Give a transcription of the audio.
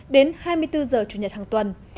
để nhằm phục vụ nhân dân đi lại thuận tiện